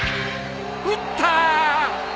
打ったー！